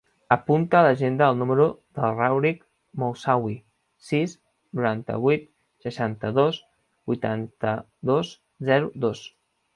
Apunta a l'agenda el número del Rauric Moussaoui: sis, noranta-vuit, seixanta-dos, vuitanta-dos, zero, dos.